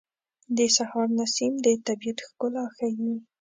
د سهار نسیم د طبیعت ښکلا ښیي.